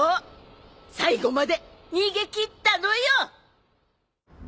最後まで逃げ切ったのよ！